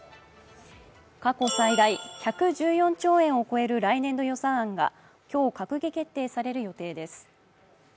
過去最大１１４兆円を超える来年度予算案が今日、閣議決定される予定です。